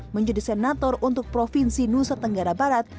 menjadi senator untuk provinsi nusa tenggara barat